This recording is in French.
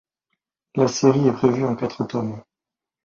La série est prévue en quatre tomes.